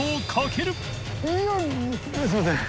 すみません。